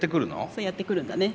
そうやって来るんだね。